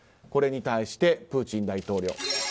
これに対して、プーチン大統領。